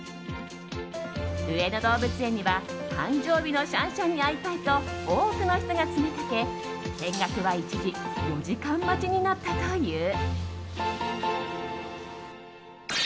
上野動物園には、誕生日のシャンシャンに会いたいと多くの人が詰めかけ見学は一時４時間待ちになったという。